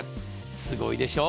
すごいでしょう。